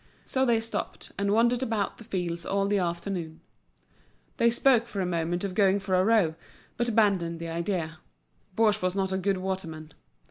So they stopped and wandered about the fields all the afternoon. They spoke for a moment of going for a row, but abandoned the idea; Baugé was not a good waterman.